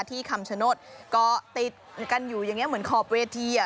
คำชโนธก็ติดกันอยู่อย่างนี้เหมือนขอบเวทีอ่ะ